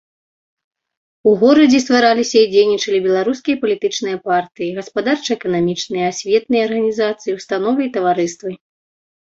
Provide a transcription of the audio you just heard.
У горадзе ствараліся і дзейнічалі беларускія палітычныя партыі, гаспадарча-эканамічныя, асветныя арганізацыі, установы і таварыствы.